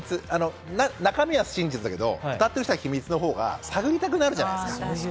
中身は真実だけど歌ってる人は秘密にしたほうが探りたくなるじゃないですか。